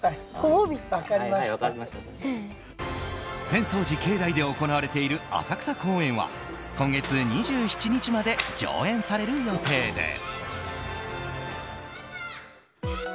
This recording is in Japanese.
浅草寺境内で行われている浅草公演は今月２７日まで上演される予定です。